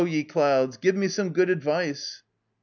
Clouds! give me good advice.